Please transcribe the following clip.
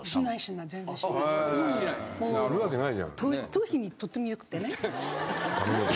頭皮にとっても良くてね。